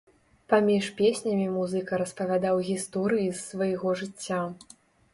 Паміж песнямі музыка распавядаў гісторыі з свайго жыцця.